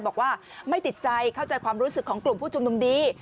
บอกว่าไม่ติดใจเข้าใจความรู้สึกของกลุ่มผู้ชุมนุมดี